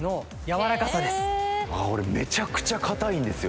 「あっ俺めちゃくちゃ硬いんですよ